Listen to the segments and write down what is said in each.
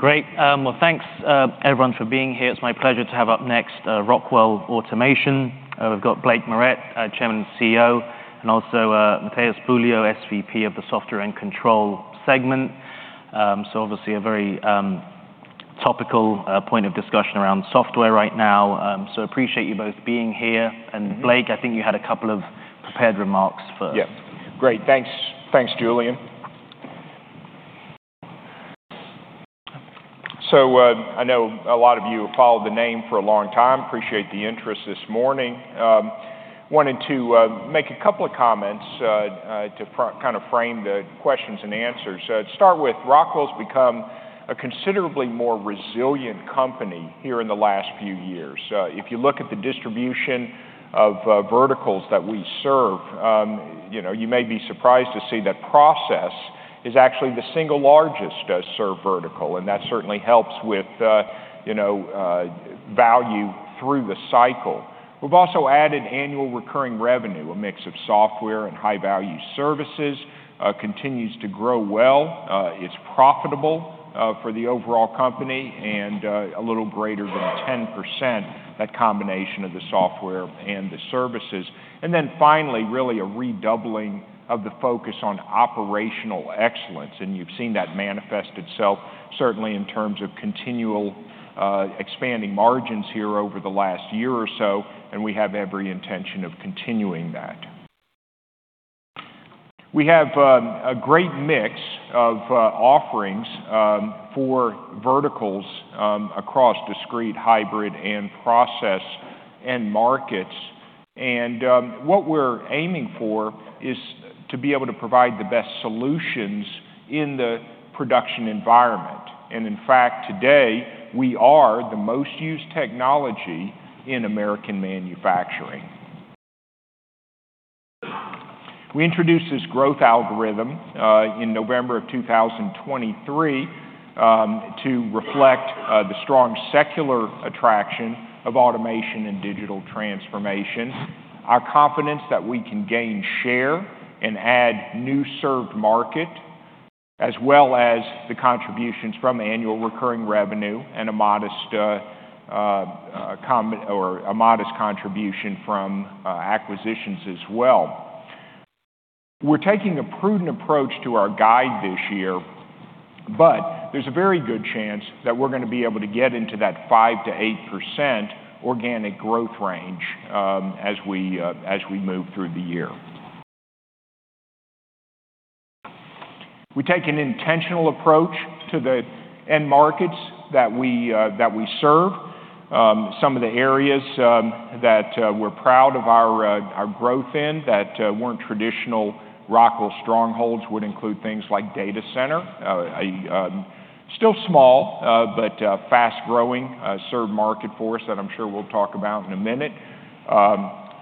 Great. Well, thanks, everyone for being here. It's my pleasure to have up next, Rockwell Automation. We've got Blake Moret, Chairman and CEO, and also, Matheus Bulho, SVP of the Software and Control segment. So obviously a very topical point of discussion around software right now. So appreciate you both being here. Mm-hmm. Blake, I think you had a couple of prepared remarks first. Yeah. Great, thanks. Thanks, Julian. So, I know a lot of you have followed the name for a long time. Appreciate the interest this morning. Wanted to make a couple of comments to kind of frame the questions and answers. To start with, Rockwell's become a considerably more resilient company here in the last few years. If you look at the distribution of verticals that we serve, you know, you may be surprised to see that process is actually the single largest served vertical, and that certainly helps with, you know, value through the cycle. We've also added annual recurring revenue, a mix of software and high-value services continues to grow well. It's profitable for the overall company and a little greater than 10%, that combination of the software and the services. And then finally, really a redoubling of the focus on operational excellence, and you've seen that manifest itself, certainly in terms of continual expanding margins here over the last year or so, and we have every intention of continuing that. We have a great mix of offerings for verticals across discrete, hybrid, and process end markets. What we're aiming for is to be able to provide the best solutions in the production environment. In fact, today, we are the most used technology in American manufacturing. We introduced this growth algorithm in November 2023 to reflect the strong secular attraction of automation and digital transformation, our confidence that we can gain share and add new served market, as well as the contributions from annual recurring revenue and a modest contribution from acquisitions as well. We're taking a prudent approach to our guide this year, but there's a very good chance that we're gonna be able to get into that 5%-8% organic growth range as we move through the year. We take an intentional approach to the end markets that we serve. Some of the areas that we're proud of our growth in that weren't traditional Rockwell strongholds would include things like data center. A still small, but fast-growing served market for us that I'm sure we'll talk about in a minute.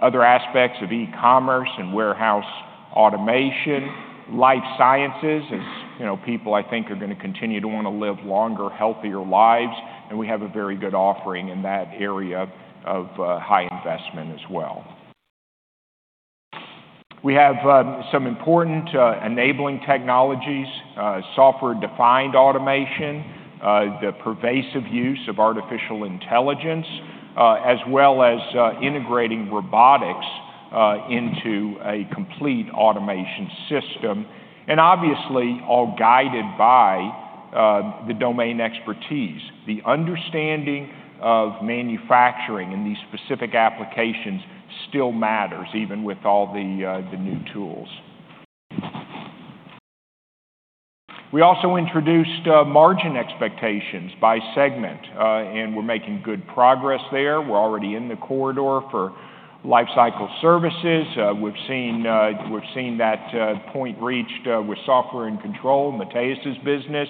Other aspects of e-commerce and warehouse automation, life sciences, as you know, people, I think, are gonna continue to want to live longer, healthier lives, and we have a very good offering in that area of high investment as well. We have some important enabling technologies, software-defined automation, the pervasive use of artificial intelligence, as well as integrating robotics into a complete automation system, and obviously, all guided by the domain expertise. The understanding of manufacturing in these specific applications still matters, even with all the new tools. We also introduced margin expectations by segment, and we're making good progress there. We're already in the corridor for lifecycle services. We've seen, we've seen that point reached with Software and Control, Matheus's business.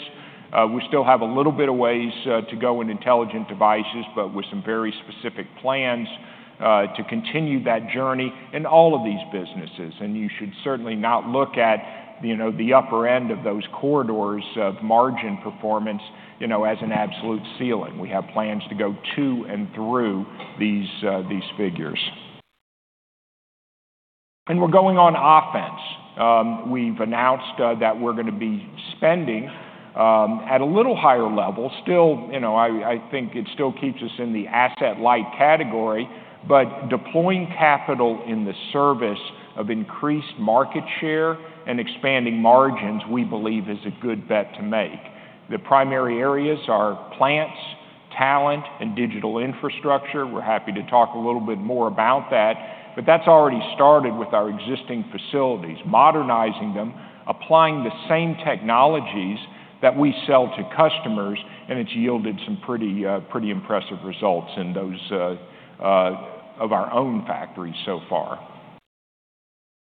We still have a little bit of ways to go in Intelligent Devices, but with some very specific plans to continue that journey in all of these businesses. And you should certainly not look at, you know, the upper end of those corridors of margin performance, you know, as an absolute ceiling. We have plans to go to and through these figures. And we're going on offense. We've announced that we're gonna be spending at a little higher level. Still, you know, I think it still keeps us in the asset-light category, but deploying capital in the service of increased market share and expanding margins, we believe, is a good bet to make. The primary areas are plants, talent, and digital infrastructure. We're happy to talk a little bit more about that, but that's already started with our existing facilities, modernizing them, applying the same technologies that we sell to customers, and it's yielded some pretty, pretty impressive results in those, of our own factories so far.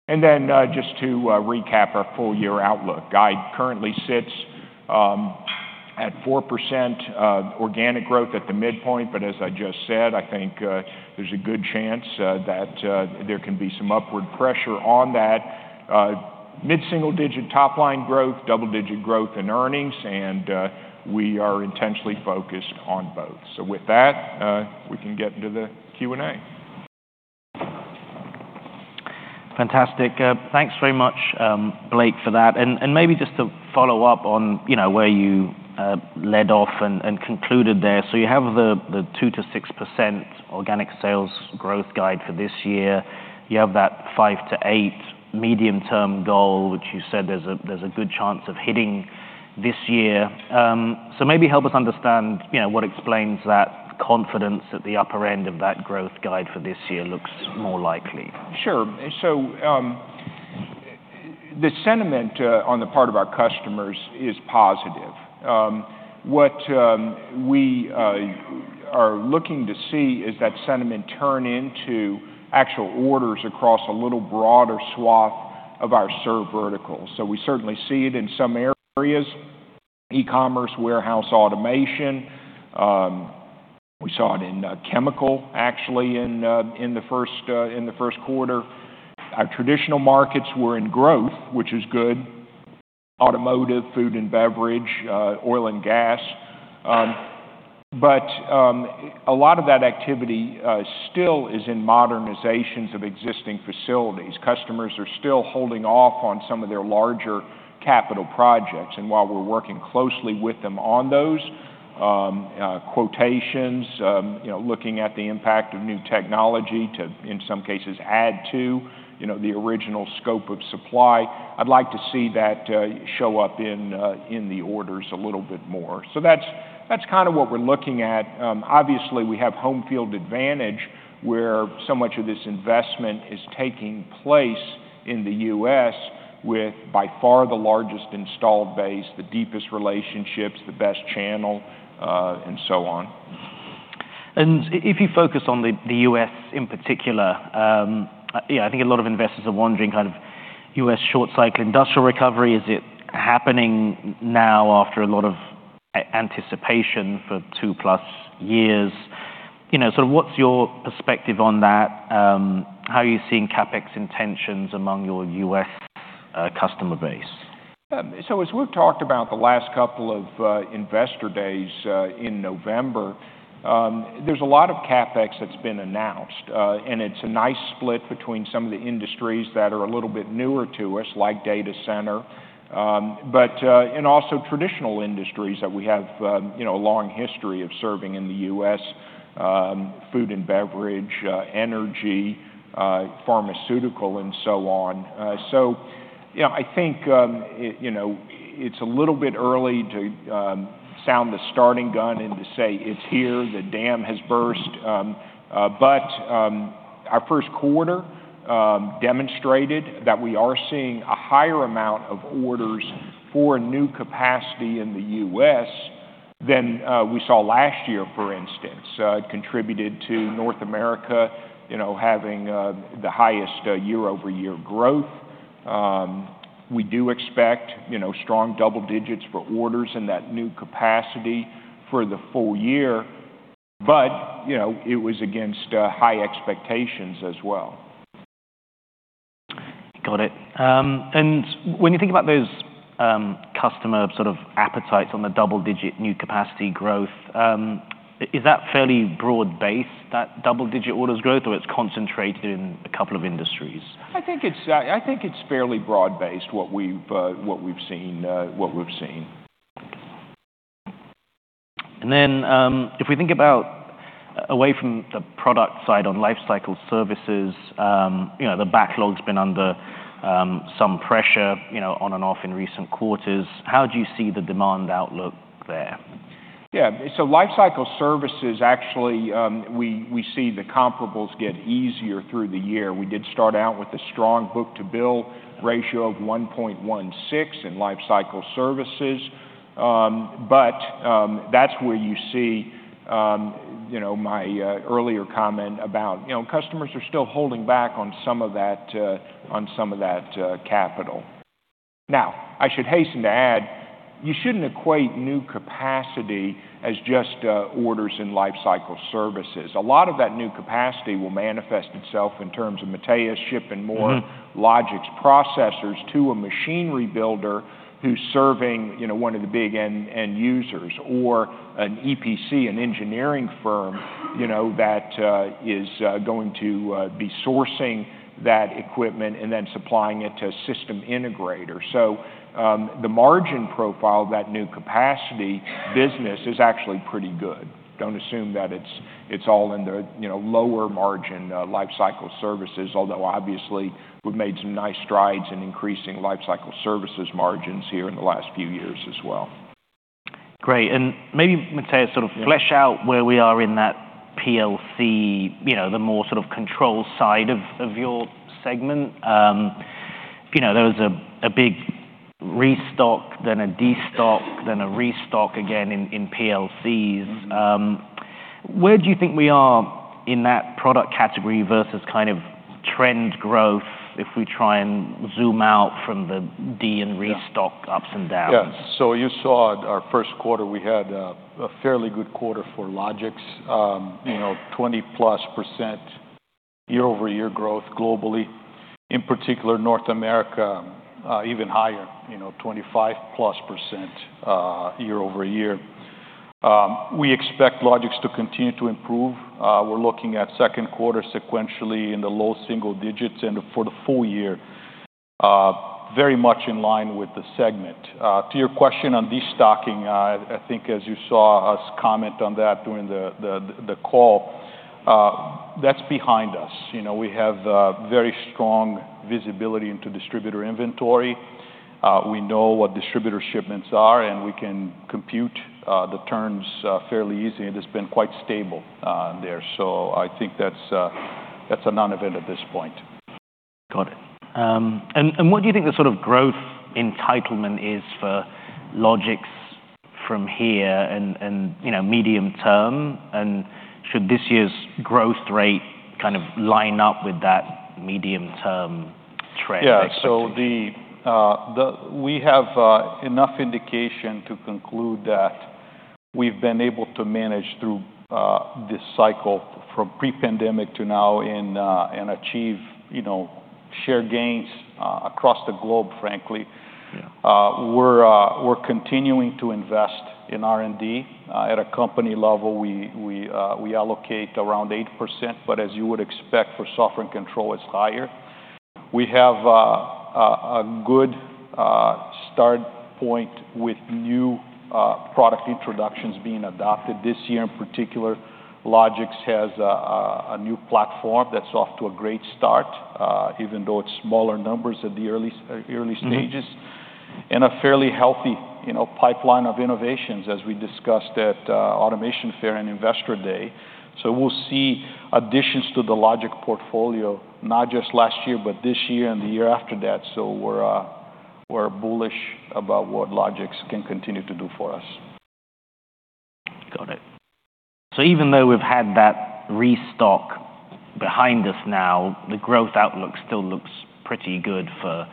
And then, just to, recap our full year outlook. Guide currently sits at 4% organic growth at the midpoint, but as I just said, I think, there's a good chance, that, there can be some upward pressure on that. mid-single-digit top-line growth, double-digit growth in earnings, and, we are intentionally focused on both. So with that, we can get into the Q&A.... Fantastic. Thanks very much, Blake, for that. And maybe just to follow up on, you know, where you led off and concluded there. So you have the two to 6% organic sales growth guide for this year. You have that five to eight medium-term goal, which you said there's a good chance of hitting this year. So maybe help us understand, you know, what explains that confidence at the upper end of that growth guide for this year looks more likely? Sure. So, the sentiment on the part of our customers is positive. What we are looking to see is that sentiment turn into actual orders across a little broader swath of our served verticals. So we certainly see it in some areas: e-commerce, warehouse automation. We saw it in chemical, actually, in the Q1. Our traditional markets were in growth, which is good: automotive, food and beverage, oil and gas. But a lot of that activity still is in modernizations of existing facilities. Customers are still holding off on some of their larger capital projects, and while we're working closely with them on those quotations, you know, looking at the impact of new technology to, in some cases, add to, you know, the original scope of supply, I'd like to see that show up in the orders a little bit more. So that's kind of what we're looking at. Obviously, we have home field advantage, where so much of this investment is taking place in the U.S., with, by far, the largest installed base, the deepest relationships, the best channel, and so on. If you focus on the U.S. in particular, yeah, I think a lot of investors are wondering kind of U.S. short cycle industrial recovery, is it happening now after a lot of anticipation for 2+ years? You know, so what's your perspective on that? How are you seeing CapEx intentions among your U.S. customer base? So as we've talked about the last couple of investor days in November, there's a lot of CapEx that's been announced. And it's a nice split between some of the industries that are a little bit newer to us, like data center, but... And also traditional industries that we have, you know, a long history of serving in the U.S., food and beverage, energy, pharmaceutical, and so on. So, you know, I think, you know, it's a little bit early to sound the starting gun and to say, "It's here, the dam has burst." But, our Q1 demonstrated that we are seeing a higher amount of orders for new capacity in the U.S. than we saw last year, for instance. It contributed to North America, you know, having the highest year-over-year growth. We do expect, you know, strong double digits for orders in that new capacity for the full year, but, you know, it was against high expectations as well. Got it. And when you think about those, customer sort of appetites on the double-digit new capacity growth, is that fairly broad-based, that double-digit orders growth, or it's concentrated in a couple of industries? I think it's fairly broad-based, what we've seen. Then, if we think about away from the product side on lifecycle services, you know, the backlog's been under some pressure, you know, on and off in recent quarters. How do you see the demand outlook there? Yeah. So Lifecycle Services, actually, we see the comparables get easier through the year. We did start out with a strong Book-to-Bill Ratio of 1.16 in Lifecycle Services. But, that's where you see, you know, my earlier comment about, you know, customers are still holding back on some of that, on some of that, capital. Now, I should hasten to add, you shouldn't equate new capacity as just, orders in Lifecycle Services. A lot of that new capacity will manifest itself in terms of Matheus shipping more- Mm-hmm... Logix processors to a machinery builder who's serving, you know, one of the big end users, or an EPC, an engineering firm, you know, that is going to be sourcing that equipment and then supplying it to a system integrator. So, the margin profile of that new capacity business is actually pretty good. Don't assume that it's all in the, you know, lower margin Lifecycle Services Great. And maybe ,Matheus, sort of- Yeah... flesh out where we are in that PLC, you know, the more sort of control side of your segment. You know, there was a big restock, then a destock, then a restock again in PLCs. Mm-hmm. Where do you think we are in that product category versus kind of trend growth if we try and zoom out from the de- and restock- Yeah - ups and downs? Yeah. So you saw in our Q1, we had a fairly good quarter for Logix. You know, 20+% year-over-year growth globally. In particular, North America, even higher, you know, 25+% year-over-year.... We expect Logix to continue to improve. We're looking at Q2 sequentially in the low single digits, and for the full year, very much in line with the segment. To your question on destocking, I think as you saw us comment on that during the call, that's behind us. You know, we have very strong visibility into distributor inventory. We know what distributor shipments are, and we can compute the terms fairly easy, and it's been quite stable there. So I think that's a non-event at this point. Got it. And what do you think the sort of growth entitlement is for Logix from here and, you know, medium-term? And should this year's growth rate kind of line up with that medium-term trend expectation? Yeah. So we have enough indication to conclude that we've been able to manage through this cycle from pre-pandemic to now and achieve, you know, share gains across the globe, frankly. Yeah. We're continuing to invest in R&D. At a company level, we allocate around 8%, but as you would expect for Software and Control, it's higher. We have a good start point with new product introductions being adopted. This year, in particular, Logix has a new platform that's off to a great start, even though it's smaller numbers at the early stages. Mm-hmm. A fairly healthy, you know, pipeline of innovations, as we discussed at Automation Fair and Investor Day. We'll see additions to the Logix portfolio, not just last year, but this year and the year after that. We're bullish about what Logix can continue to do for us. Got it . So even though we've had that restock behind us now, the growth outlook still looks pretty good for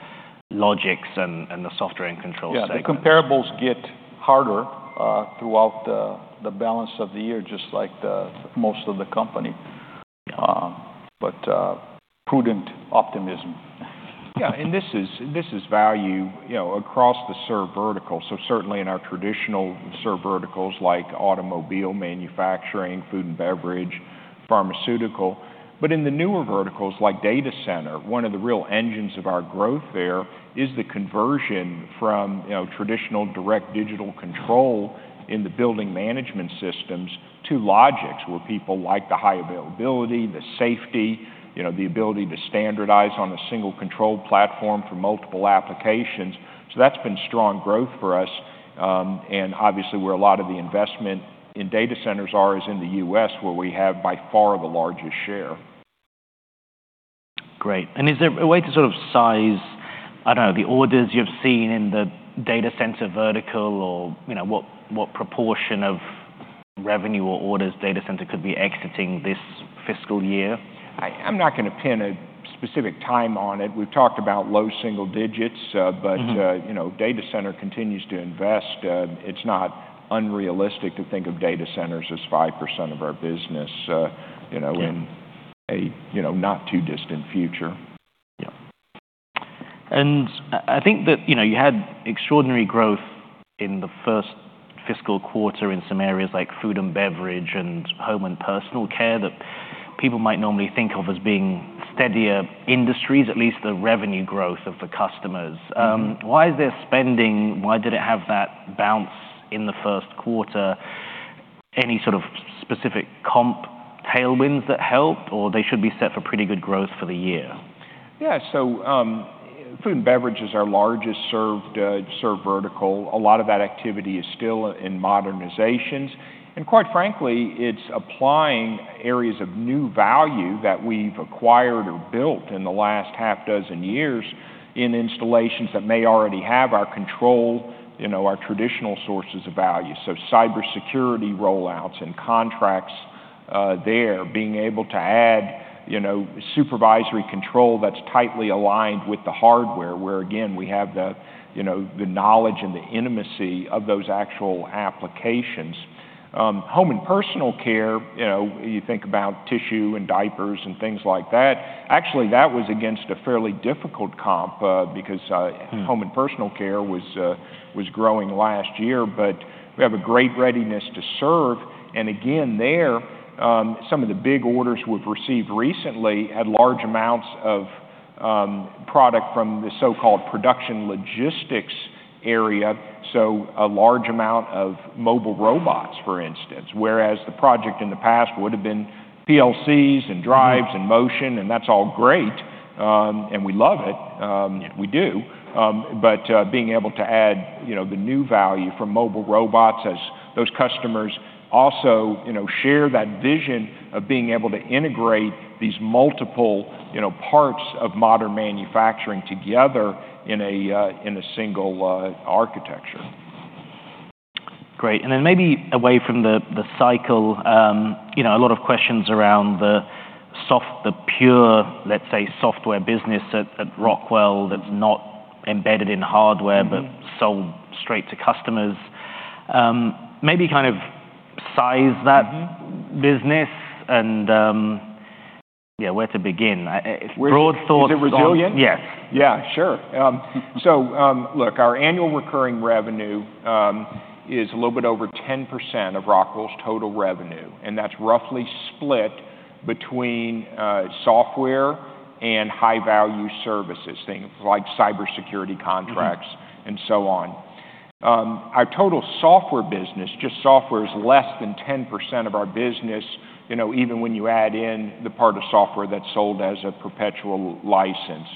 Logix and the Software and Control segment? Yeah, the comparables get harder throughout the balance of the year, just like the most of the company. Prudent optimism. Yeah, and this is value, you know, across the served vertical. So certainly in our traditional served verticals like automobile manufacturing, food and beverage, pharmaceutical. But in the newer verticals like data center, one of the real engines of our growth there is the conversion from traditional direct digital control in the building management systems to Logix, where people like the high availability, the safety, you know, the ability to standardize on a single control platform for multiple applications. So that's been strong growth for us. And obviously, where a lot of the investment in data centers are is in the U.S., where we have, by far, the largest share. Great. And is there a way to sort of size, I don't know, the orders you've seen in the data center vertical or, you know, what, what proportion of revenue or orders data center could be exiting this fiscal year? I'm not gonna pin a specific time on it. We've talked about low single digits, but- Mm-hmm... you know, data center continues to invest. It's not unrealistic to think of data centers as 5% of our business, you know- Yeah... in a, you know, not too distant future. Yeah. I think that, you know, you had extraordinary growth in the first fiscal quarter in some areas like food and beverage, and home and personal care, that people might normally think of as being steadier industries, at least the revenue growth of the customers. Why is their spending, why did it have that bounce in the Q1? Any sort of specific comp tailwinds that helped, or they should be set for pretty good growth for the year? Yeah. So, food and beverage is our largest served vertical. A lot of that activity is still in modernizations, and quite frankly, it's applying areas of new value that we've acquired or built in the last half dozen years in installations that may already have our control, you know, our traditional sources of value. So cybersecurity rollouts and contracts there, being able to add, you know, supervisory control that's tightly aligned with the hardware, where again, we have the, you know, the knowledge and the intimacy of those actual applications. Home and personal care, you know, you think about tissue and diapers and things like that. Actually, that was against a fairly difficult comp, because- Mm... home and personal care was growing last year. But we have a great readiness to serve, and again, there, some of the big orders we've received recently had large amounts of product from the so-called production logistics area, so a large amount of mobile robots, for instance. Whereas the project in the past would've been PLCs and drives- Mm-hmm... and motion, and that's all great, and we love it. We do. But, being able to add, you know, the new value from mobile robots as those customers also, you know, share that vision of being able to integrate these multiple, you know, parts of modern manufacturing together in a, in a single, architecture. Great. And then maybe away from the cycle, you know, a lot of questions around the pure, let's say, software business at Rockwell that's not embedded in hardware- Mm-hmm... but sold straight to customers. Maybe kind of size that- Mm-hmm... business and, where to begin? I, broad thoughts on- Is it resilient? Yes. Yeah, sure. So, look, our Annual Recurring Revenue is a little bit over 10% of Rockwell's total revenue, and that's roughly split between software and high-value services, things like cybersecurity contracts- Mm-hmm and so on. Our total software business, just software, is less than 10% of our business, you know, even when you add in the part of software that's sold as a perpetual license.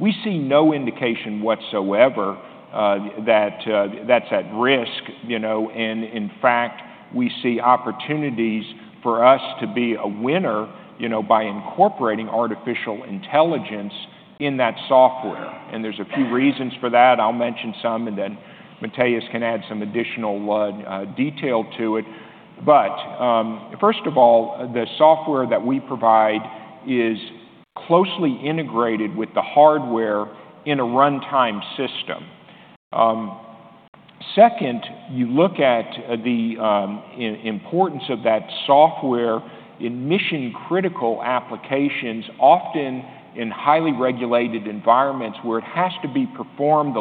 We see no indication whatsoever that that's at risk, you know, and in fact, we see opportunities for us to be a winner, you know, by incorporating artificial intelligence in that software, and there's a few reasons for that. I'll mention some, and then Matheus can add some additional detail to it. But first of all, the software that we provide is closely integrated with the hardware in a runtime system. Second, you look at the importance of that software in mission-critical applications, often in highly regulated environments, where it has to be performed,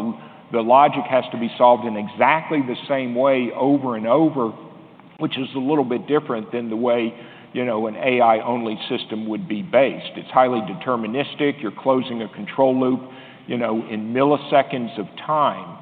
the logic has to be solved in exactly the same way over and over, which is a little bit different than the way, you know, an AI-only system would be based. It's highly deterministic. You're closing a control loop, you know, in milliseconds of time.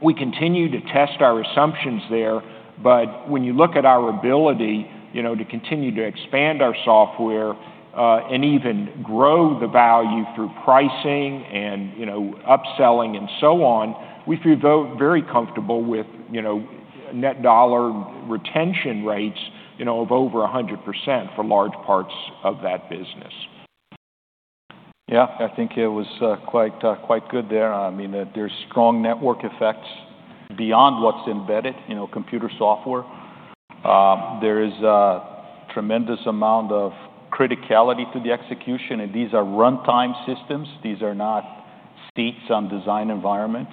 We continue to test our assumptions there, but when you look at our ability, you know, to continue to expand our software, and even grow the value through pricing and, you know, upselling and so on, we feel very comfortable with, you know, Net Dollar Retention rates, you know, of over 100% for large parts of that business. Yeah, I think it was quite, quite good there. I mean, there's strong network effects beyond what's embedded, you know, computer software. There is a tremendous amount of criticality to the execution, and these are runtime systems. These are not seats on design environments.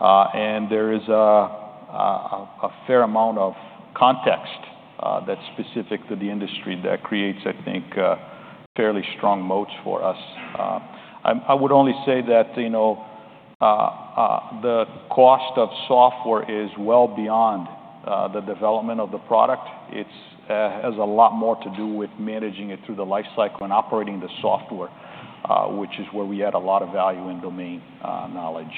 And there is a fair amount of context that's specific to the industry that creates, I think, a fairly strong moats for us. I would only say that, you know, the cost of software is well beyond the development of the product. It has a lot more to do with managing it through the life cycle and operating the software, which is where we add a lot of value and domain knowledge.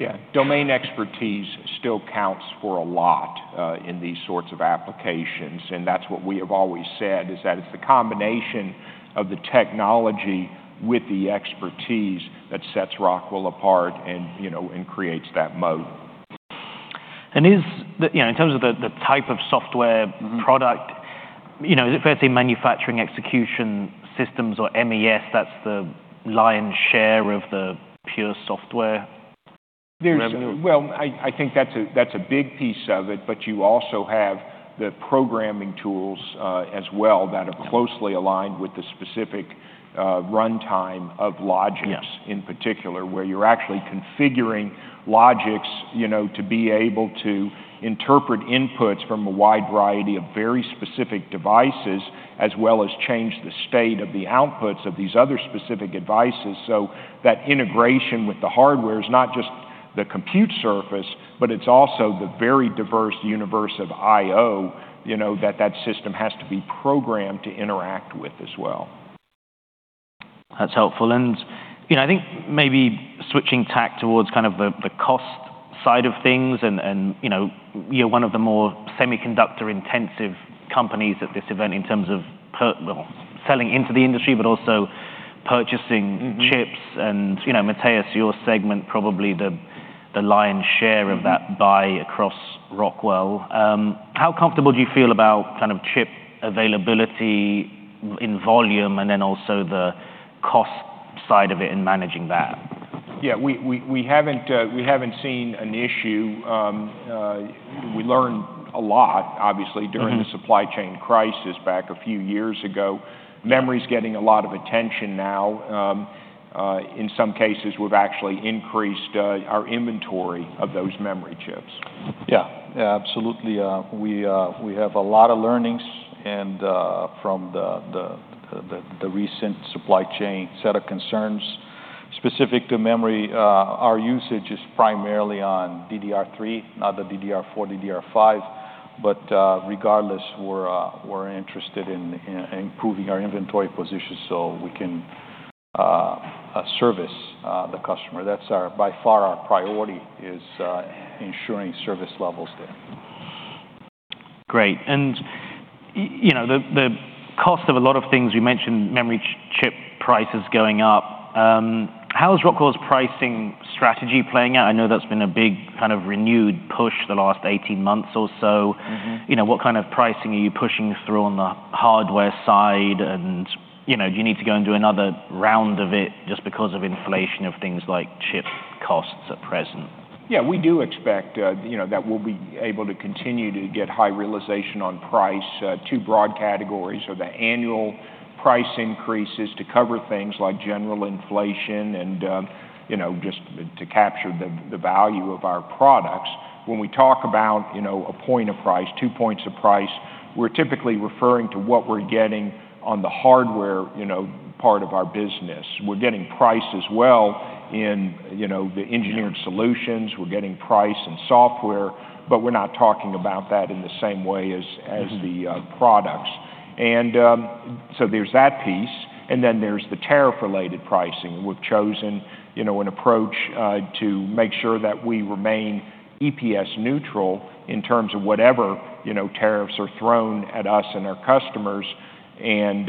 Yeah. Domain expertise still counts for a lot in these sorts of applications, and that's what we have always said, is that it's the combination of the technology with the expertise that sets Rockwell apart and, you know, and creates that moat. Is the... You know, in terms of the type of software- Mm-hmm -product, you know, is it mainly manufacturing execution systems, or MES, that's the lion's share of the pure software? There's- Revenue. Well, I think that's a big piece of it, but you also have the programming tools as well- Yeah -that are closely aligned with the specific, runtime of Logix- Yeah In particular, where you're actually configuring Logix, you know, to be able to interpret inputs from a wide variety of very specific devices, as well as change the state of the outputs of these other specific devices. So that integration with the hardware is not just the compute surface, but it's also the very diverse universe of I/O, you know, that that system has to be programmed to interact with as well. That's helpful. You know, I think maybe switching tack towards kind of the cost side of things, and you know, you're one of the more semiconductor-intensive companies at this event in terms of per... Well, selling into the industry, but also purchasing- Mm-hmm chips. You know, Matheus, your segment, probably the lion's share- Mm-hmm -of that buy across Rockwell. How comfortable do you feel about kind of chip availability in volume, and then also the cost side of it and managing that? Yeah, we haven't seen an issue. We learned a lot, obviously. Mm-hmm during the supply chain crisis back a few years ago. Yeah. Memory's getting a lot of attention now. In some cases, we've actually increased our inventory of those memory chips. Yeah. Yeah, absolutely, we have a lot of learnings from the recent supply chain set of concerns. Specific to memory, our usage is primarily on DDR3, not the DDR4, DDR5, but regardless, we're interested in improving our inventory position so we can service the customer. That's our, by far, our priority, is ensuring service levels there. Great, and you know, the cost of a lot of things, you mentioned memory chip prices going up. How is Rockwell's pricing strategy playing out? I know that's been a big, kind of, renewed push the last 18 months or so. Mm-hmm. You know, what kind of pricing are you pushing through on the hardware side? And, you know, do you need to go and do another round of it just because of inflation of things like chips?... costs at present? Yeah, we do expect, you know, that we'll be able to continue to get high realization on price. Two broad categories are the annual price increases to cover things like general inflation and, you know, just to capture the value of our products. When we talk about, you know, a point of price, two points of price, we're typically referring to what we're getting on the hardware, you know, part of our business. We're getting price as well in, you know, the engineered solutions. We're getting price in software, but we're not talking about that in the same way as, as- Mm-hmm. -the products. And, so there's that piece, and then there's the tariff-related pricing. We've chosen, you know, an approach, to make sure that we remain EPS neutral in terms of whatever, you know, tariffs are thrown at us and our customers, and,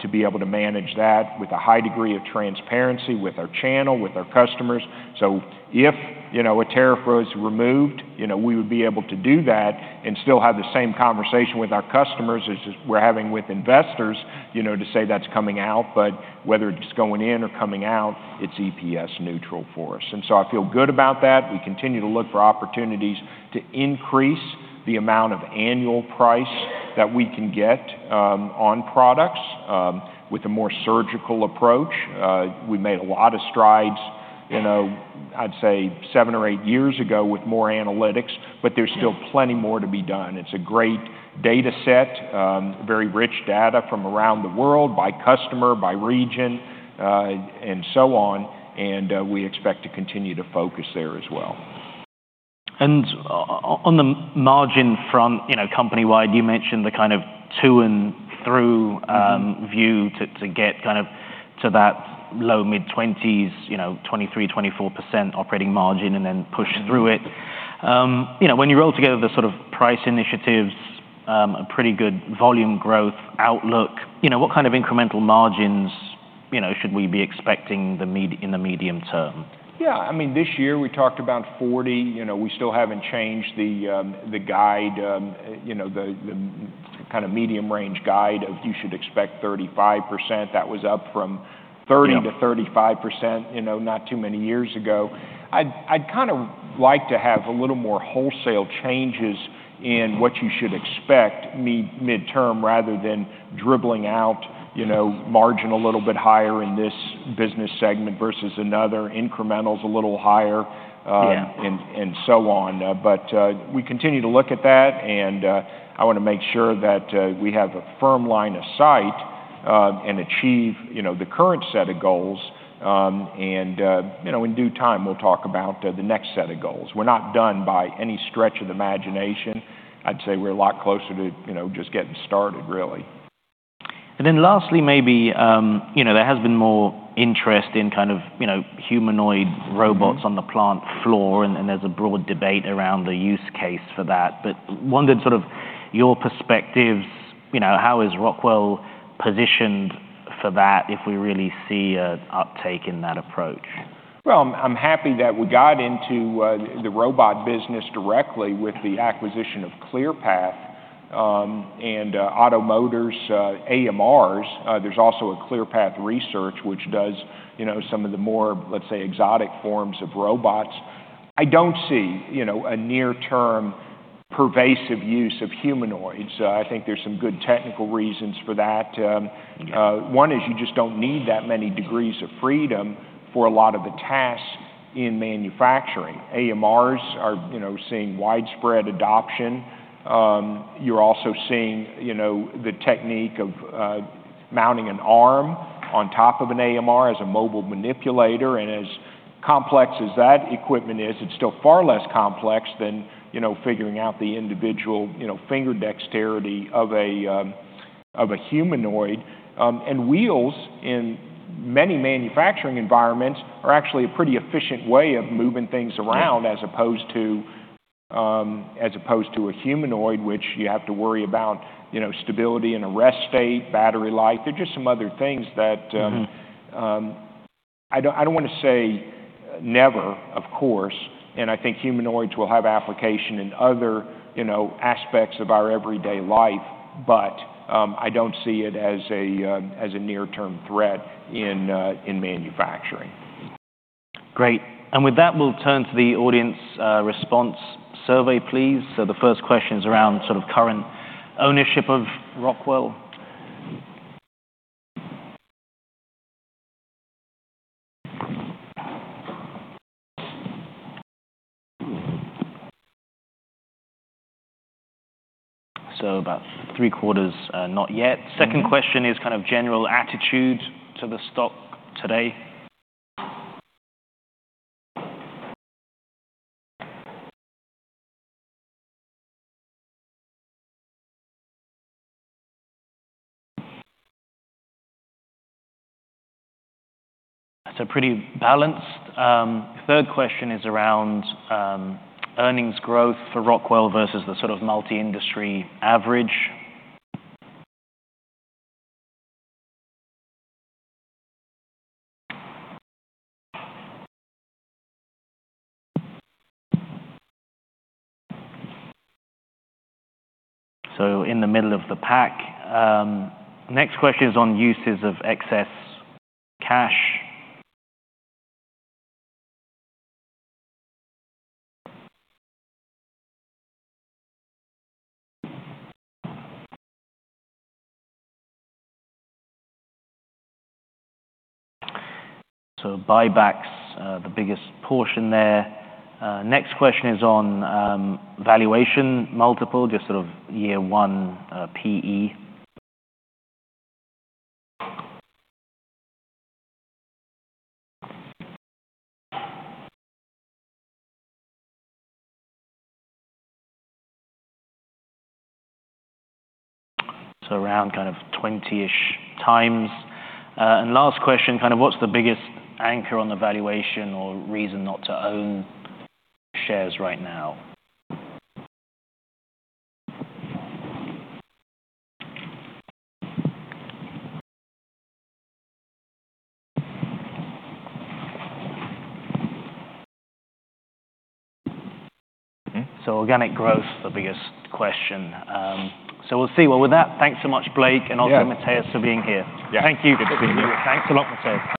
to be able to manage that with a high degree of transparency with our channel, with our customers. So if, you know, a tariff was removed, you know, we would be able to do that and still have the same conversation with our customers as we're having with investors, you know, to say that's coming out. But whether it's going in or coming out, it's EPS neutral for us, and so I feel good about that. We continue to look for opportunities to increase the amount of annual price that we can get, on products, with a more surgical approach. We made a lot of strides, you know, I'd say seven or eight years ago, with more analytics, but there's still plenty more to be done. It's a great data set, very rich data from around the world by customer, by region, and so on, and we expect to continue to focus there as well. On the margin front, you know, company-wide, you mentioned the kind of to and through view to get kind of to that low mid-twenties, you know, 23%-24% operating margin and then push through it. You know, when you roll together the sort of price initiatives, a pretty good volume growth outlook, you know, what kind of incremental margins, you know, should we be expecting in the medium term? Yeah. I mean, this year we talked about 40. You know, we still haven't changed the guide, you know, the kind of medium range guide of you should expect 35%. That was up from- Yeah... 30%-35%, you know, not too many years ago. I'd kind of like to have a little more wholesale changes in what you should expect midterm, rather than dribbling out, you know, margin a little bit higher in this business segment versus another, incrementals a little higher. Yeah... and so on. But we continue to look at that, and I want to make sure that we have a firm line of sight and achieve, you know, the current set of goals. And you know, in due time, we'll talk about the next set of goals. We're not done by any stretch of the imagination. I'd say we're a lot closer to, you know, just getting started, really. And then lastly, maybe, you know, there has been more interest in kind of, you know, humanoid robots... Mm-hmm... on the plant floor, and there's a broad debate around the use case for that. But wondered sort of your perspectives, you know, how is Rockwell positioned for that, if we really see a uptake in that approach? Well, I'm happy that we got into the robot business directly with the acquisition of Clearpath, and OTTO Motors, AMRs. There's also a Clearpath Research, which does, you know, some of the more, let's say, exotic forms of robots. I don't see, you know, a near-term pervasive use of humanoids. I think there's some good technical reasons for that. Okay One is you just don't need that many degrees of freedom for a lot of the tasks in manufacturing. AMRs are, you know, seeing widespread adoption. You're also seeing, you know, the technique of mounting an arm on top of an AMR as a mobile manipulator, and as complex as that equipment is, it's still far less complex than, you know, figuring out the individual, you know, finger dexterity of a of a humanoid. And wheels, in many manufacturing environments, are actually a pretty efficient way of moving things around- Yeah... as opposed to a humanoid, which you have to worry about, you know, stability and a rest state, battery life. There are just some other things that... Mm-hmm... I don't, I don't wanna say never, of course, and I think humanoids will have application in other, you know, aspects of our everyday life, but, I don't see it as a, as a near-term threat in, in manufacturing. Great. And with that, we'll turn to the audience, response survey, please. So the first question is around sort of current ownership of Rockwell. So about three-quarters, not yet. Mm-hmm. Second question is kind of general attitude to the stock today. That's a pretty balanced... Third question is around earnings growth for Rockwell versus the sort of multi-industry average. So in the middle of the pack. Next question is on uses of excess cash. So buybacks, the biggest portion there. Next question is on valuation multiple, just sort of year one, PE. So around kind of 20-ish x. And last question, kind of what's the biggest anchor on the valuation or reason not to own shares right now? Mm-hmm. So organic growth, the biggest question. So we'll see. Well, with that, thanks so much, Blake- Yeah. And also Matheus, for being here. Yeah. Thank you. Good to be here. Thanks a lot, Matheus.